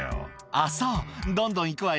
「あっそうどんどん行くわよ」